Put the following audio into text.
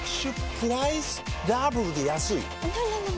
プライスダブルで安いＮｏ！